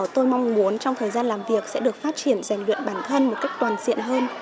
tôi mong muốn trong thời gian làm việc sẽ được phát triển dành luyện bản thân một cách toàn diện hơn